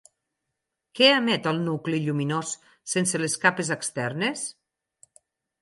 Què emet el nucli lluminós sense les capes externes?